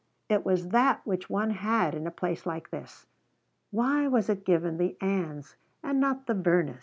it was that which one had in a place like this. Why was it given the Anns and not the Vernas?